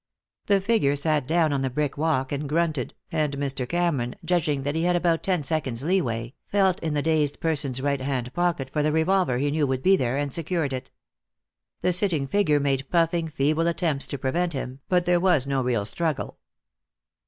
The figure sat down on the brick walk and grunted, and Mr. Cameron, judging that he had about ten seconds' leeway, felt in the dazed person's right hand pocket for the revolver he knew would be there, and secured it. The sitting figure made puffing, feeble attempts to prevent him, but there was no real struggle.